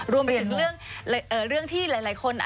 รวมไปถึงเรื่องที่หลายคน